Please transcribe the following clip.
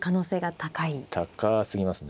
高すぎますね。